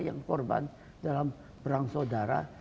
yang korban dalam perang saudara